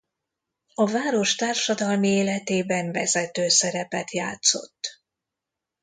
A város társadalmi életében vezető szerepet játszott.